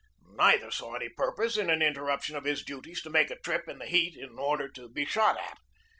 Neither saw any purpose in an interruption of his duties to make a trip in the heat in order to be shot at.